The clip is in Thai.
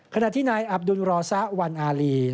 ขณะที่นายอับดุลรอซะวันอารี